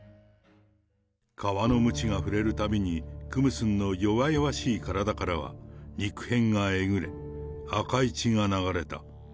皮のムチが触れるたびに、クムスンの弱々しい体からは肉片がえぐれ、赤い血が流れた。